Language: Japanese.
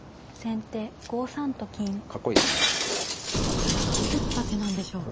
これはどういった手なんでしょうか。